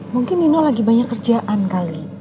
mungkin nino lagi banyak kerjaan kali